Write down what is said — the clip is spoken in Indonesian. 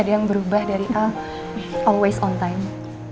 gak ada yang berubah dari al always on time